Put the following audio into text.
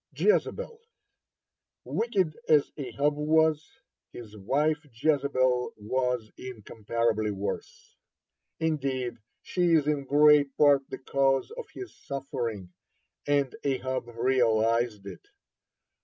(47) JEZEBEL Wicked as Ahab was, his wife Jezebel was incomparably worse. Indeed, she is in great part the cause of his suffering, and Ahab realized it.